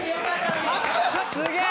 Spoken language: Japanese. すげえ！